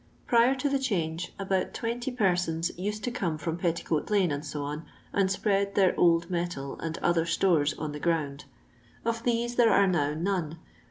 Prior to the change, about twenty persons used to come from Petticoat lane, &c., and spread their old metal or other stores on the ground. Of these there are now none.